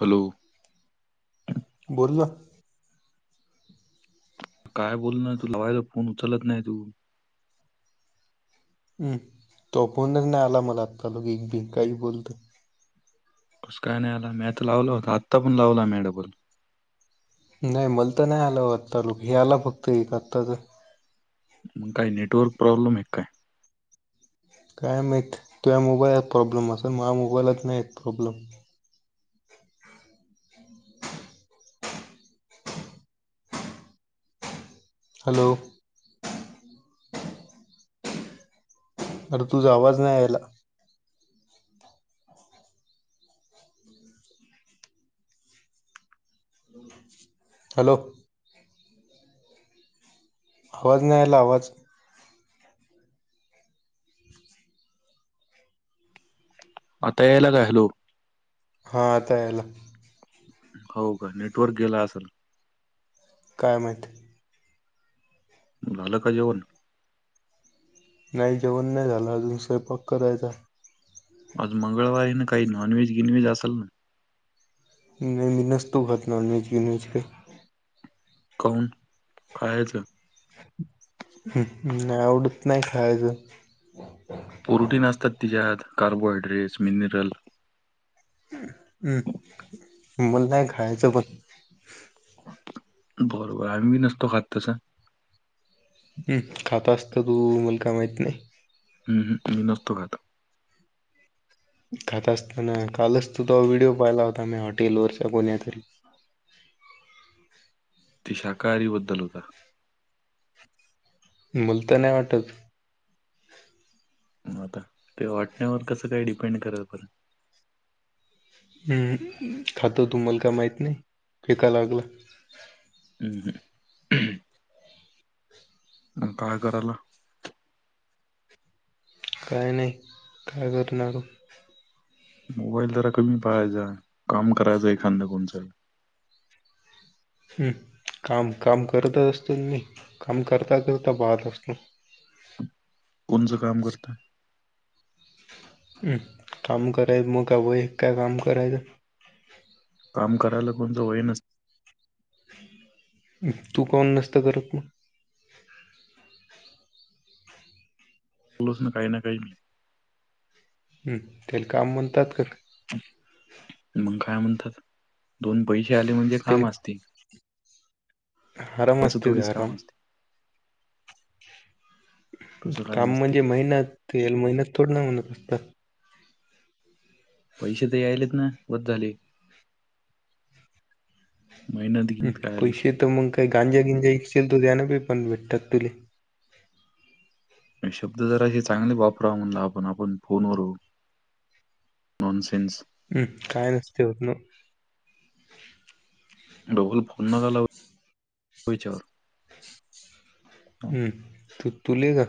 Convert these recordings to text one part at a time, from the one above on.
Hello, बोल ना. काय बोलना तू लवायला [unintelligible] फोन उचलत नाही, तू हम् तो फोनच नाही आला मला आत्ता लोघ [unintelligible] एक बी काही बोलतोय कसकाय नाही आला मी आता लावला होता आता पण लावला मी डबल. नाही मल तर नाही आलं आत्ता लोक हे आला फक्त एक आत्ताच मग काय नेटवर्क प्रॉब्लेम आहे काय? काय माहित तुझ्या मोबाईलात प्रॉब्लेम असलं माझ्या मोबाईलात नाही आहेत प्रॉब्लेम [inaudible] हॅलो अरे तुझा आवाज नाही यायला हॅलो आवाज नाही यायला आवाज आता यायला काय हॅलो हा आता यायला हो का नेटवर्क गेल असलं. काय माहित झालं काय जेवण? नाही जेवण नाही झालं अजून स्वयंपाक करायचं. आज मंगळवारी हे ना काही नॉनव्हेज गिनव्हेज असेल ना? नाही मी नसतो करत नॉनव्हेज बिनव्हेज काही काौन कायच [unintelligible] आवडत नाही खायचं प्रोटीन असतात त्यािच्यात कार्बोहायड्रेट्स मिनरल मण नाही घाहेजोपत [unintelligible] बरोबर आम्ही बी नसतो खात तसा- खाता असतां तू मुल का माहीत नाही. हम्म हम्म मी नसतो खात. खात असताना कालच तु तो व्हिडिओ पाहिला होता म हॉटेलवरच्या कोण्यातरी ती शाकाहारी बद्दल होता. मला तर नाही वाटतं आता ते वाटण्यावर कसं काय डिपेंड करात हम्म खातो तुम्हाला का माहीत नाही फेका लागला. हम्म काय करायला? काही नाही काय करणार मोबाईल जरा कमी पाहायचा काम करायचं एखादा कोणचा काम काम करतच असतो मी काम करता करता पाहत असतो. कोणचं काम करतं हम काम करायचं मग का वय काय काम करायचं? काम करायला कोणतं होय नसतं तू कोण नसतं करत बोलच ना काही ना काही मी तेल काम म्हणतत कां मग काय म्हणतात दोन पैसे आले म्हणजे ते काम असतील. आराम त्याच असते ते थोडीच आराम काम असते. तसं काय काम नसते. म्हणजे महिन्यात येल महिन्यात थोड ना म्हणत पैसे तेयले ना बस झाले. मेहनत घेण्यात काय आली. पैसे तर मग काही गांजा गिंजा इशल त द्याना प पण भेटतात तु शब्द जराशी चांगले वापरा म्हणलं आपण आपण फोनवर नॉनसेन्स हम्म काय नस्त होण डोकं नक लवू त्यांच्यावर. [unintelligible] हम्म तू तुले का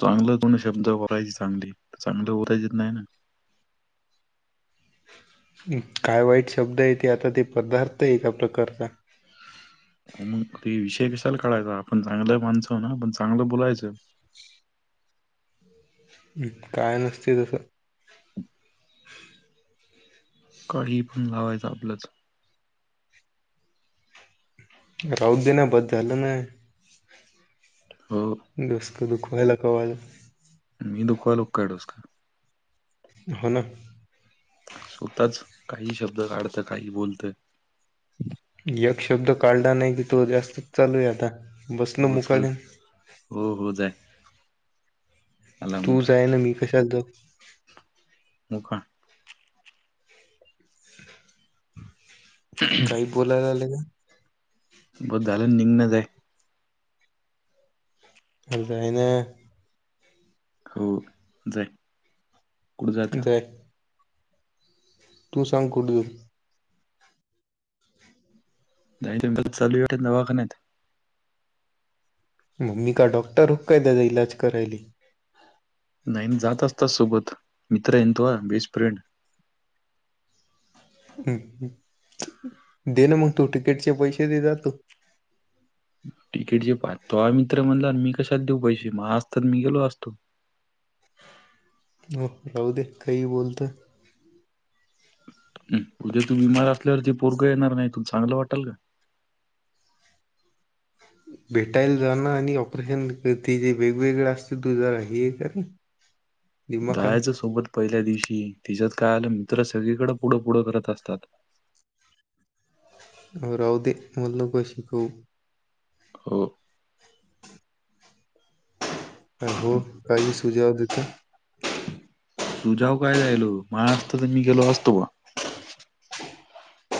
चांगलं दोन शब्द उरायची चांगली, चांगल उरायची नाही ना. काय वाईट शब्द आहे ते आता ते पदार्थ आहे एका प्रकारचा. मग ते विषय कशाला कढायचा आपण चांगलं माणसो आहो ना आपण चांगलं बोलायचं. काय नसतय तसं. [inaudible] काळी पण लावायचं आपलंच. राहू दे ना बस झालं ना. हो. डोस्क दुःखवया ला का [unintelligible] मी दुखवालो का डोसक. हो ना. स्वतःच, काही शब्द काढतं काही बोलतं. एक शब्द काढला नाही की तो जास्तीच चालू आहे आता. बस ना हो चाल, मुकाट्यानं. हो हो जाय. आला तू मोठा जाय ना मी कशाला जाऊ. मुका. काही बोलायला लागल ग. बस झालन नीगनच हाय. अ जाईना. हो, जाय, कुठं जातं. जाय. तू सांग कुढ. नाही [unintelligible] चल दवाखान्यात. म मी का डॉक्टर होक काय त्याचा इलाज करायली. नाही न जात असतो सोबत, मित्र आहे ना तुआ बेस्ट फ्रेंड. हम हम, दे ना म तू तिकीटचे पैसे देे जातो. तिकीट जे पा, तोवा मित्र म्हणल्यावर मी कशाला देऊ पैसे म असतात मी गेलो असतो. हो, राहू दे काही बोलतोय. हम, उद्या तू बीमार असल्यावर जे पोरगं येणार नाही तु चांगलं वाटल का? भेटायला जान आणि ऑपरेशन ते जे वेगवेगळ असते तू जरा हे करना. [inaudible] जायचं सोबत पहिल्या दिवशी तिज्यात काय आलंन तर सगळीकडें पुढं पुढं करत असतात. म राहू दे, मल नको शिकऊ. हो. हो, काही सुजाव देतोय. सुजाव काय द्यालोय, माझ असत तर मी गेलो असतो बा.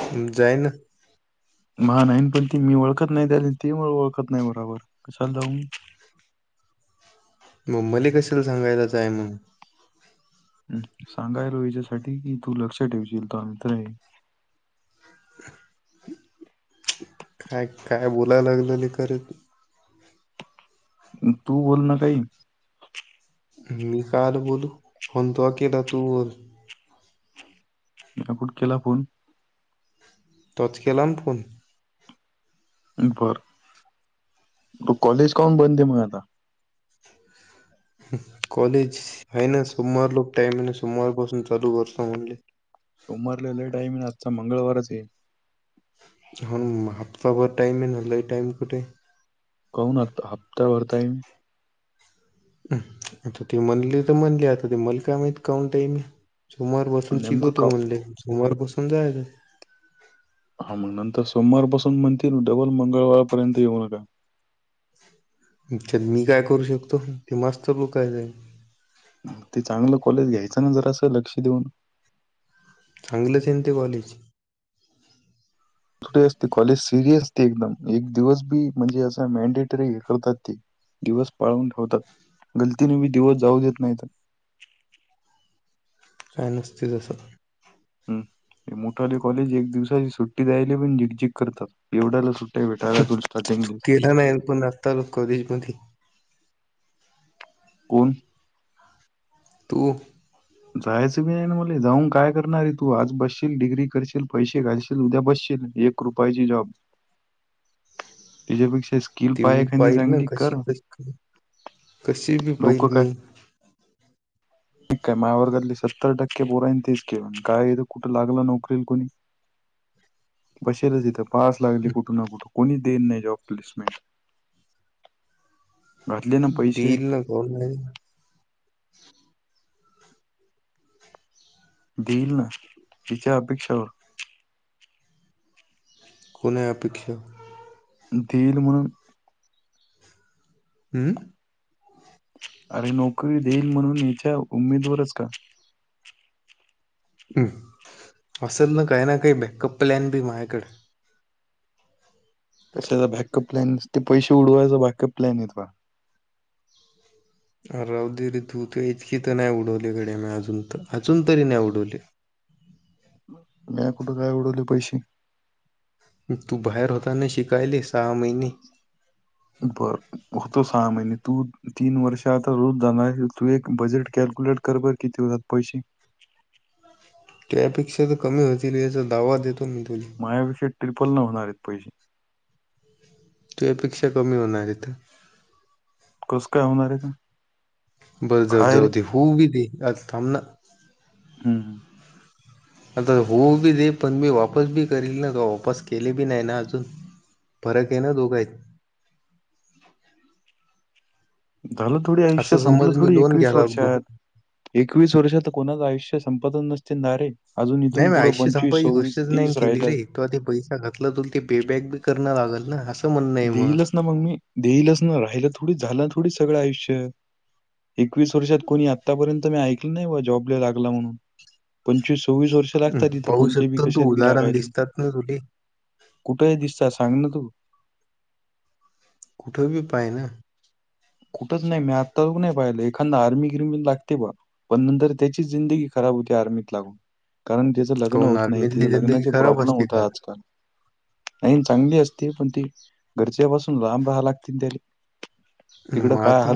हम जायना. मा नाही पण ते मी ओळखत नाही त्याल ते मला ओळखत नाही बरोबर, कशाला जाऊ मी. म मले कशाला सांगायला जाय म्हनून. हम्म, सांगायलो हिज्यासाठी कि तू लक्ष ठेवशील [unintelligible] काय काय बोलाय लागलं लेका रे तु. पण तू बोलन काही मी काल बोलू, फोन तो अ केेला तू [unintelligible] केला फोन. तोच केलान फोन. बरं, म कॉलेज काऊन बंद आहे म आता. हम, कॉलेज, आहे ना सोमवार लो टाइम आहे ना सोमवार पासून चालू करतो म्हनले. सोमवार लई टाईम लागता मंगळवारच ये. हम्म हप्ता भर टाइम आहेना लई टाइम कुठे. काऊन आता, हप्ता भर टाइम. हम, आता ते म्हणले तर म्हणले आता ते मल काय माहित काऊन टईम. सोमार बसून नेमकं शिकवतो का म्हणले सोमवार बसून जायच हा मग नंतर सोमवार पासून म्हणतील डबल मंगळवारपर्यंत येऊ नका. अच्च्यात मी काय करू शकतो ते मस्त लोकयच आहे. ते चांगलं कॉलेज घ्यायचं ना जरा असं लक्ष देऊन सांगलंले समती गलीची असते कॉलेज सिरियसते एकदम एक दिवस बी म्हणजे असं मॅडेटरी हे करतात ते दिवस पाळून ठेवतात गलतीने मी दिवस जाऊ देत नाहीत काय नसतय तसं हम मोठाले कॉलेज एक दिवसाची सुट्टी द्यायले पण झक झक करतात एवढाला सुट्ट भटायला [unintelligible] तु स्टार्टिंगली नाहीन पुन्हा तल कधशमध्येणी [unintelligible] कोण तू जायचं बी आहे ना मला जाऊन काय करणार आहे तू आज बसशील डिग्री करशील पैसे घाशील उद्या बसशील एक कृपायची जॉब एच्या पेक्षा स्किल ते मी पायाखली पाहिल ना चांगली कर कशी कशी कशी बी लोक पाहिल काय मी काय माया वर्गातली सत्तर टक्के पोरान तेच केलं काय कुठं लागलं नोकरीला कोणी पैशे ल दित पास लागली कुठं ना कुठं कोणी देन नाइ जॉब प्लेसमेंट घातले ना पैसे दईल ना कोन न दिल ना तिच्या अपेक्षावर कोण ए अपेक्षा? देईल म हम् अरे नोकरी देईल म्हणून याच्या उमेदवरच का? हम्. असल ना काई ना काई बॅकअप प्लॅन बी मायाकडे. कशाचा बॅकअप प्लॅन नुसत पैसे उडवायचा बॅकअप प्लॅन हाय तो. अ राव दे र तू तू इतकी त नाई उडवली गडे मी अजून अजून तरी नाई उडवले. नाइ. कुठं नाय उडवले पैशे. तू बाहेर होता ना शिकायले सहा महिने बर. होतो सहा महिने. तू तीन वर्ष आता रोज जाणार तू एक बजेट कॅल्क्युलेट कर बर किती होतात पैशे? त्यापेक्षा तर कमी होतील याचा दावा देतो मी तुला माझ्यापेक्षा ट्रिपल नं होणार एत पैशे. त्यापेक्षा कमी होणार एत. कस काय होणारे? बस ज-जाऊ होउदे कात थांब ना. हम. आता होऊ बी दे पण मी वापस बी करील ना वापस केले बी नाही ना अजून फरक हे ना दोघ हायत. झालं थोडी आयुष्य असं संपलं समज मी थोडी, लोन एकवीस घ्यायला लागलो वर्षात एकवीस वर्षात कोणाचं आयुष्य संपत नसते नारे. अजून नाही इथून मी पुढं पंचवीस, सव्वीस, तीस, राहिलं. तेव्हा ते पैसा घातला ते पे बँक कर ना लागल ना असं म्हणणं आहे देईलच ना मग मी, देईलच ना, राहिला थोडी झालं थोडी सगळं आयुष्य. एकवीस वर्षात कोणी आत्तापर्यंत मी ऐकलं नाही बा, जॉबला लागला म्हणून. पंचवीस, सव्वीस, वर्ष हं, लागतात ईथ पाहू कोणत्याही बी शकतो ना तू कशात बी उदाहरण लागायले. दिसतात ना तुले. कुठेही दिसा सांग ना तूं? तू बी पायना. कुठंच नाही मी आता नाही पाहिलं एखादा आर्मी गिरमी लागते बा. पण नंतर त्याचीच जिंदगी खराब होती आर्मीत लागून. कारण तिचं लग्न काहून होत नाही आर्मीतली तिचं जिंदगी लग्नाची खराब प्रॉब्लेम असते होत का? आजकाल. नाही चांगली असते पण ती घरच्यापासून लांब राहा लागतील त्याला. म आता,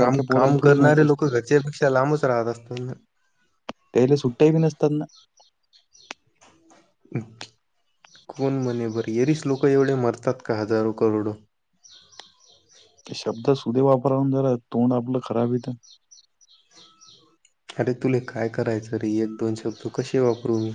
काम पोराला -काम थोडी माहीत करणारे लोक असतं. घरच्या पेक्षा लांबच राहत असतात ना? त्याला सुट्ट्या बी नसतात ना. कोण म्हणे बर येरिस लोक एवढे मरतात का हजारो करोडो? शब्द सुदे वापराून जरा तोंड आपलं खराब येत. अरे तुले काय करायचं रे एक दोन शब्द कसे वापरून